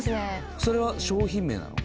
それは商品名なの？